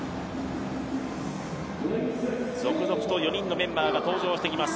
続々と４人のメンバーが登場してきます。